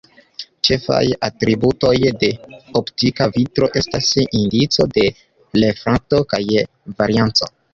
Ĉefaj atributoj de optika vitro estas indico de refrakto kaj varianco.